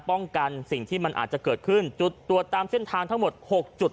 ป้องกันสิ่งที่มันอาจจะเกิดขึ้นจุดตรวจตามเส้นทางทั้งหมด๖จุด